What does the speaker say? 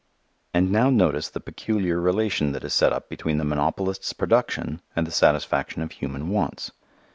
And now notice the peculiar relation that is set up between the monopolist's production and the satisfaction of human wants.